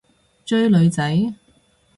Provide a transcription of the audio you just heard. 追女仔？